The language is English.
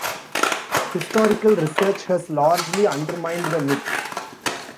Historical research has largely undermined the myth.